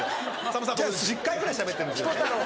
さんまさん僕１０回ぐらいしゃべってるんですよね。